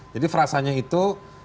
jadi frasanya itu